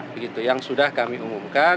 begitu yang sudah kami umumkan